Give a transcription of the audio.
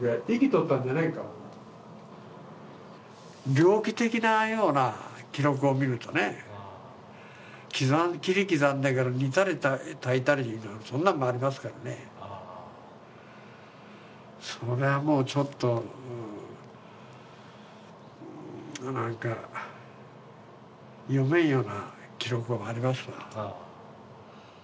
猟奇的なような記録を見るとね、切り刻んでから、煮たり炊いたり、そんなのもありますからね、そりゃもう、ちょっと読めんような記録もありますわ。